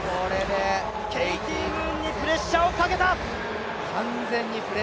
ケイティ・ムーンにプレッシャーをかけた。